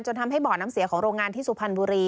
ทำให้บ่อน้ำเสียของโรงงานที่สุพรรณบุรี